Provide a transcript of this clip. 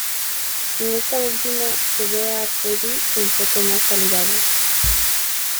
En esta última se ve a Freddie un poco más saludable.